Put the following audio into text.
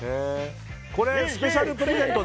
スペシャルプレゼント